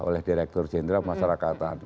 oleh direktur jenderal masyarakatan